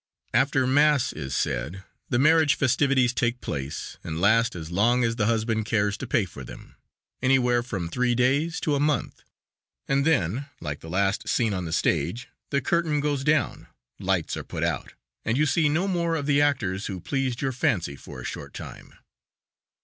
After mass is said the marriage festivities take place and last as long as the husband cares to pay for them, anywhere from three days to a month, and then, like the last scene on the stage, the curtain goes down, lights are put out, and you see no more of the actors who pleased your fancy for a short time.